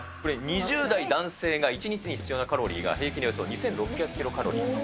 ２０代男性が１日に必要なカロリーが平均でおよそ２６００キロカロリー。